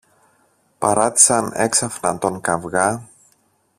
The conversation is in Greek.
παράτησαν έξαφνα τον καβγά